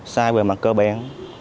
sai về mặt cơ bản